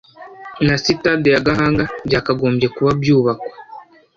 na Sitade ya Gahanga byakagombye kuba byubakwa